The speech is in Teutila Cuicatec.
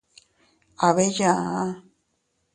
Aa bee yaa.